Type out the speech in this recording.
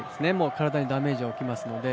体にダメージが起きますので。